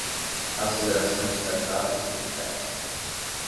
Aceleração de startups e fintechs